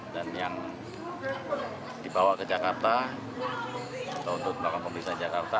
dan yang dibawa ke jakarta atau untuk pemeriksaan jakarta